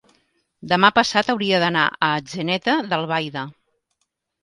Demà passat hauria d'anar a Atzeneta d'Albaida.